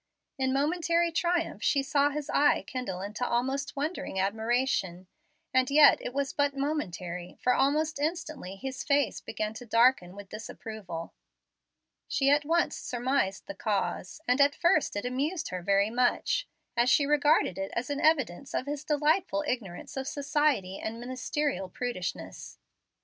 In momentary triumph she saw his eye kindle into almost wondering admiration; and yet it was but momentary, for almost instantly his face began to darken with disapproval. She at once surmised the cause; and at first it amused her very much, as she regarded it as an evidence of his delightful ignorance of society and ministerial prudishness.